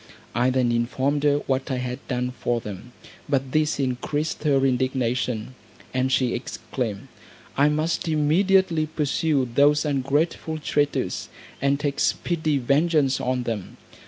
I then informed her what I had done for them, but this increased her indignation; and she exclaimed, "I must immediately pursue those ungrateful traitors, and take speedy vengeance on them.